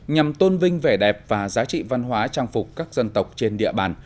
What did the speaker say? nhằm tôn vinh vẻ đẹp và giá trị văn hóa trang phục các dân tộc trên địa bàn